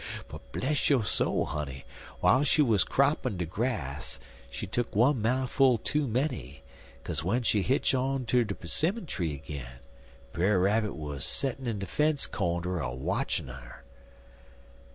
But, bless yo' soul, honey, w'ile she wuz croppin' de grass she tuck one mou'ful too menny, kaze w'en she hitch on ter de 'simmon tree agin, Brer Rabbit wuz settin' in de fence cornder a watchin' un 'er.